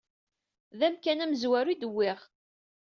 D amkan amezwaru ay d-uwyeɣ.